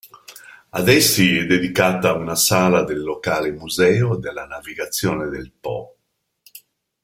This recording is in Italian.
Ad essi è dedicata una sala del locale museo della navigazione del Po.